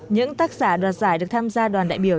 những tác giả đoạt giải được tham gia đoàn đại biểu